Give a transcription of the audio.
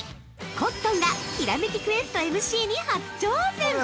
コットンがひらめきクエストＭＣに初挑戦！